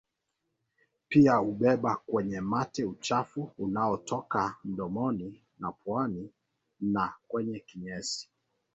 Pia hubebwa kwenye mate uchafu unaotoka mdomoni na puani na kwenye kinyesi